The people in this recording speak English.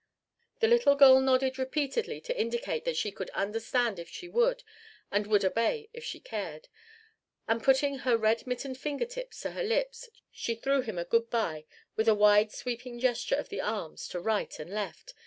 The little girl nodded repeatedly to indicate that she could understand if she would and would obey if she cared; and putting her red mittened finger tips to her lips, she threw him a good by with a wide sweeping gesture of the arms to right and left.